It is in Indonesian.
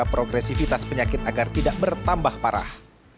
progresivitas penyakit agar tidak bertambah parah